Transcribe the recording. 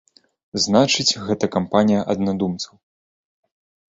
Значыць, гэта кампанія аднадумцаў.